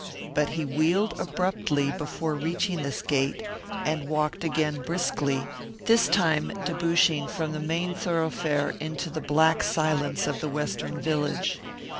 But he wheeled abruptly before reaching this gate, and walked again briskly, this time debouching from the main thoroughfare into the black silence of the Western village.